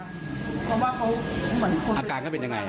เพราะว่าเขาเหมือนคนใบโพลาอาการเขาเป็นอย่างไร